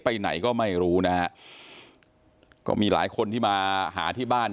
ไปไหนก็ไม่รู้นะฮะก็มีหลายคนที่มาหาที่บ้าน